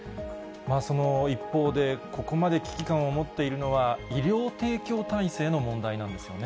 その一方で、ここまで危機感を持っているのは、医療提供体制の問題なんですよね。